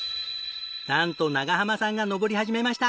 なんと長濱さんが登り始めました。